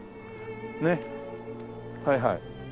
ねっはいはい。